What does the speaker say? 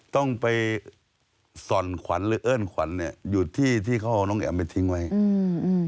ต้องไปส่อนขวัญหรือเอิ้นขวัญเนี้ยอยู่ที่ที่เขาเอาน้องแอ๋มไปทิ้งไว้อืม